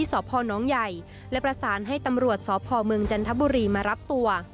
สพนใหญ่และประสานให้ตำรวจสพเมืองจันทบุรีมารับตัว